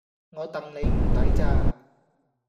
我戥你唔抵咋